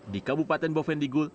di kabupaten bovendigul